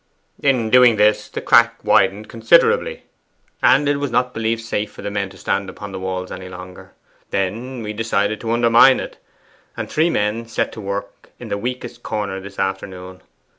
In doing this the crack widened considerably, and it was not believed safe for the men to stand upon the walls any longer. Then we decided to undermine it, and three men set to work at the weakest corner this afternoon.